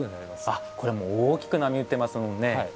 あっこれもう大きく波打ってますもんね。